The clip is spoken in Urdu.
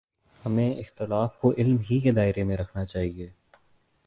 ہمیں اختلاف کو علم ہی کے دائرے میں رکھنا چاہیے۔